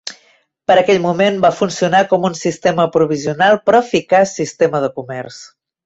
Per aquell moment va funcionar com un sistema provisional però eficaç sistema de comerç.